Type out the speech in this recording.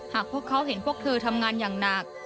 หากพวกเขาเห็นพวกเธอทำงานอย่างหนัก